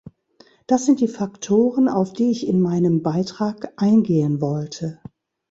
Das sind die Faktoren, auf die ich in meinem Beitrag eingehen wollte.